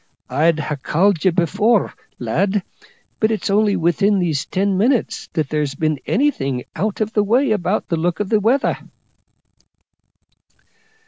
I'd ha' called ye before, lad, but it's only within these ten minutes that there's been anything out of the way about the look of the weather."